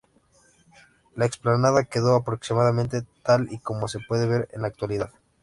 La explanada quedó, aproximadamente, tal y como se puede ver en la actualidad.